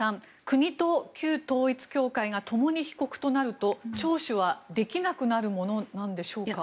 国と旧統一教会がともに被告となると聴取はできなくなるものなんでしょうか。